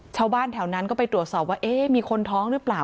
ชาวบ้านแถวนั้นก็ไปตรวจสอบว่าเอ๊ะมีคนท้องหรือเปล่า